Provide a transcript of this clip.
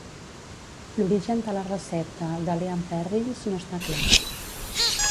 L'origen de la recepta de "Lea and Perrins" no està clar.